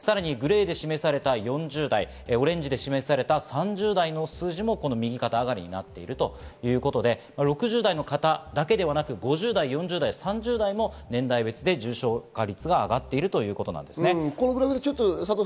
グレーで示された４０代、オレンジで示された３０代の数字も右肩上がりになっているということで、６０代の方だけではなく、５０代、４０代、３０代も重症化率が上がっているということです。